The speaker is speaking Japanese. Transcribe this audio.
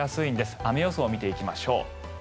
雨予想を見ていきます。